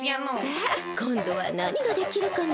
さあこんどはなにができるかな？